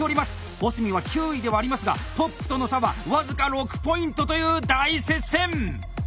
保住は９位ではありますがトップとの差は僅か６ポイントという大接戦！